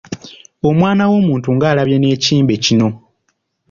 Omwana w’omuntu nga alabye n’ekimbe kino!